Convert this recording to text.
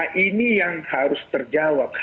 nah ini yang harus terjawab